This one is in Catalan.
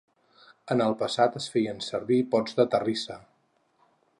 En el passat es feien servir pots de terrissa.